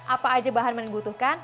apa aja bahan yang anda butuhkan